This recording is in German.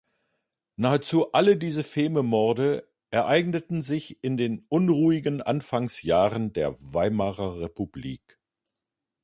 Nahezu alle diese Fememorde ereigneten sich in den unruhigen Anfangsjahren der Weimarer Republik.